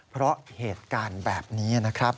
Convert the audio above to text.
เพราะเหตุการณ์แบบนี้นะครับ